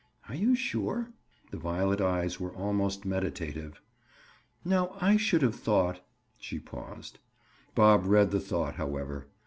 "Are you sure?" The violet eyes were almost meditative. "Now I should have thought—" She paused. Bob read the thought, however.